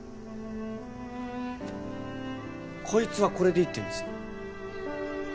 こいつはこれでいいっていうんですよ